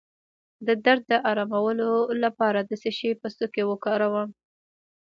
د درد د ارامولو لپاره د څه شي پوستکی وکاروم؟